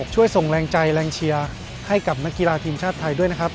ช่วยส่งแรงใจแรงเชียร์ให้กับนักกีฬาทีมชาติไทยด้วยนะครับ